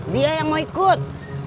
dia yang mau ikut